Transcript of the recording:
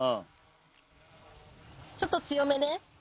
ちょっと強めね。